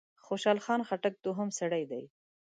خوشحال خان خټک دوهم سړی دی.